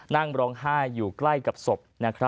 นั่งร้องไห้อยู่ใกล้กับศพ